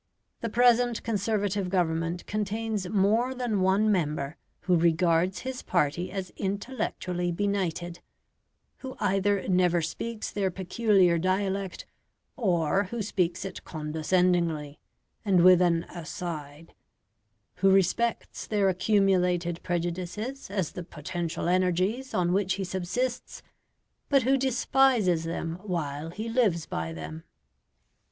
The present Conservative Government contains more than one member who regards his party as intellectually benighted; who either never speaks their peculiar dialect, or who speaks it condescendingly, and with an "aside"; who respects their accumulated prejudices as the "potential energies" on which he subsists, but who despises them while he lives by them.